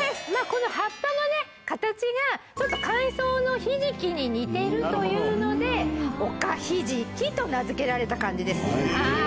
この葉っぱのね形が海藻のひじきに似てるというのでおかひじきと名付けられた感じです。